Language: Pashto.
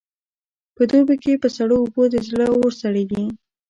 په دوبې کې په سړو اوبو د زړه اور سړېږي.